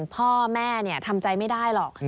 พ่อแม่ทำใจไม่ได้หรอก